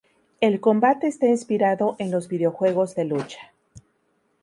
El combate está inspirado en los videojuegos de lucha.